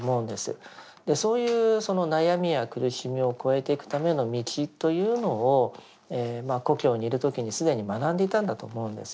そういうその悩みや苦しみを超えていくための道というのを故郷にいる時に既に学んでいたんだと思うんです。